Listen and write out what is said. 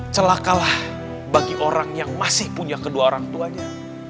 celakalah bagi orang yang masih punya kedua orang tuanya